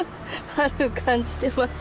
春感じてます？